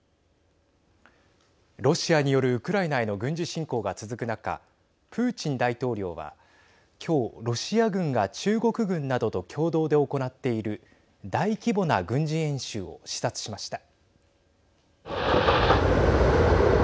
ロシアによるウクライナへの軍事侵攻が続く中プーチン大統領は今日ロシア軍が中国軍などと共同で行っている大規模な軍事演習を視察しました。